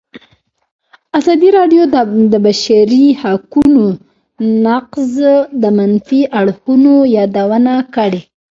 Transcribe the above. ازادي راډیو د د بشري حقونو نقض د منفي اړخونو یادونه کړې.